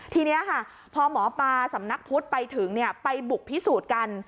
ทีนี้ค่ะพอหมอปลาสำนักพุทธไปถึงไปบุกพิสูจน์กัน